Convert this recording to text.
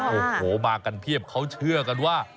โอ้โหมากันเพียบเขาเชื่อกันว่า